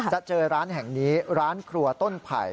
จะเจอร้านแห่งนี้ร้านครัวต้นไผ่